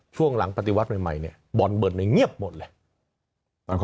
ช่วงหลังปฏิวัติใหม่บอลเบิดในเงียบหมดเลย